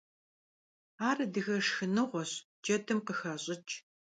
Ar adıge şşxınığueş, cedım khıxaş'ıç'.